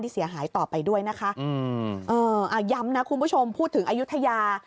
เสียหายต่อไปด้วยนะคะอืมเอ่ออ่าย้ำนะคุณผู้ชมพูดถึงอายุทยา